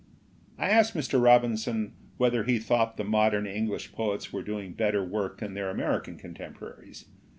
I asked Mr. Robinson whether he thought the modern English poets were doing better work than their American contemporaries.